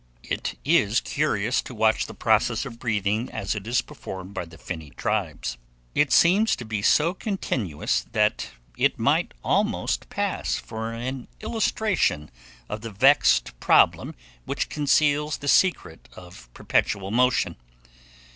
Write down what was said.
It is curious to watch the process of breathing as it is performed by the finny tribes. It seems to be so continuous, that it might almost pass for an illustration of the vexed problem which conceals the secret of perpetual motion.